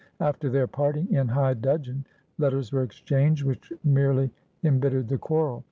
After their parting, in high dudgeon, letters were exchanged, which merely embittered the quarrel.